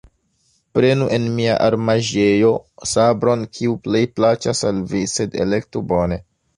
Prenu en mia armaĵejo sabron, kiu plej plaĉas al vi, sed elektu bone.